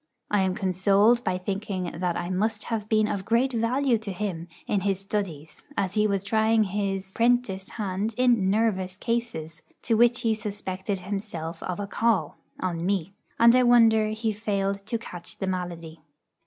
I am consoled by thinking that I must have been of great value to him in his studies, as he was trying his 'prentice hand in 'nervous' cases, to which he suspected himself of a call, on me; and I wonder he failed to catch the malady.